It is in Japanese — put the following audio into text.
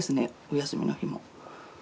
お休みの日も。